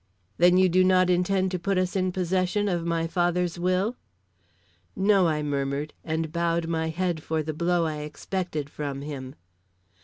"Then you do not intend to put us in possession of my father's will?" "No," I murmured, and bowed my head for the blow I expected from him.